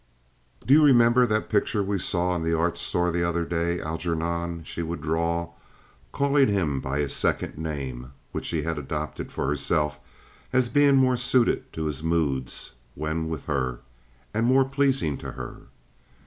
"Do you remember that picture we saw in the art store the other day, Algernon?" she would drawl, calling him by his second name, which she had adopted for herself as being more suited to his moods when with her and more pleasing to her.